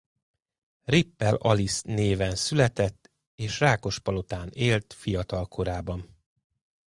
Rippel Alice néven született és Rákospalotán élt fiatal korában.